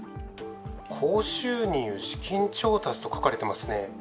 高収入、資金調達と書かれていますね。